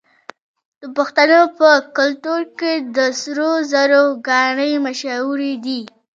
د پښتنو په کلتور کې د سرو زرو ګاڼې مشهورې دي.